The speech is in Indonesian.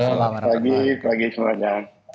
selamat pagi pagi semuanya